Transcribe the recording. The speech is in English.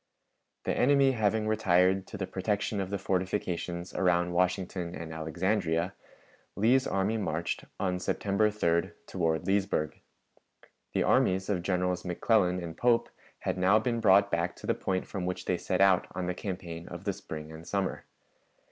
The enemy having retired to the protection of the fortifications around Washington and Alexandria, Lee's army marched, on September 3d, toward Leesburg. The armies of Generals McClellan and Pope had now been brought back to the point from which they set out on the campaign of the spring and summer.